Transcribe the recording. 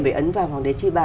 về ấn vào hoàng đế tri bà